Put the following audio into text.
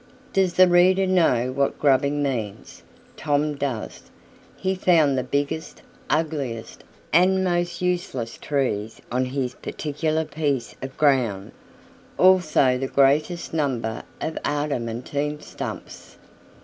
Does the reader know what grubbing means? Tom does. He found the biggest, ugliest, and most useless trees on his particular piece of ground; also the greatest number of adamantine stumps.